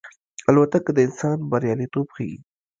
الوتکه د انسان بریالیتوب ښيي.